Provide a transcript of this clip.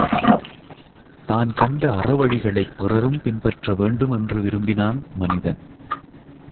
தான் கண்ட அறவழிகளைப் பிறரும் பின்பற்ற வேண்டும் என்று விரும்பினான் மனிதன்.